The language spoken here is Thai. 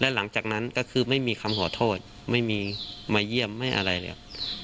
หลังจากนั้นก็คือไม่มีคำขอโทษไม่มีมาเยี่ยมไม่อะไรเลย